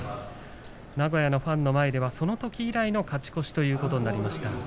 名古屋のファンの前ではそのとき以来の勝ち越しということになります。